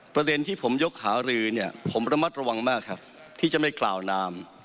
ประเด็นที่ผมยกหารือเนี่ยผมระมัดระวังมากครับที่จะไม่กล่าวนาม